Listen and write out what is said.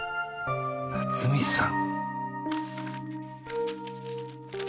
夏海さん。